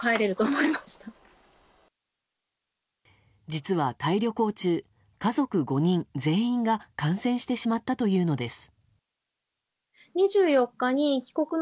実はタイ旅行中家族５人全員が感染してしまったというのです。